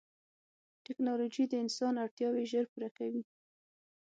ټکنالوجي د انسان اړتیاوې ژر پوره کوي.